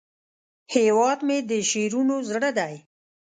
هیواد مې د شعرونو زړه دی